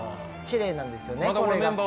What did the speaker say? きれいなんですね、これが。